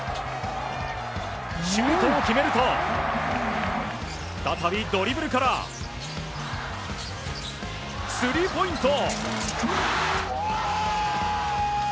シュートを決めると再びドリブルからスリーポイント！